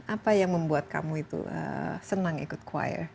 apa yang membuat kamu itu senang ikut choir